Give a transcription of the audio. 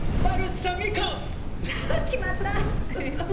あ決まった！